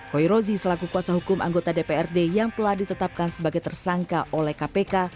koi rozi selaku kuasa hukum anggota dprd yang telah ditetapkan sebagai tersangka oleh kpk